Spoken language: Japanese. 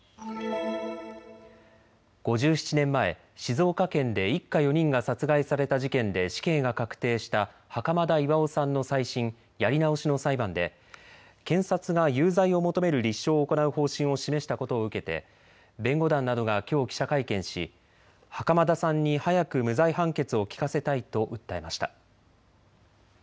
５７年前、静岡県で一家４人が殺害された事件で死刑が確定した袴田巌さんの再審・やり直しの裁判で検察が有罪を求める立証を行う方針を示したことを受けて弁護団などがきょう記者会見し袴田さんに早く無罪判決を聞かせたいと訴えました。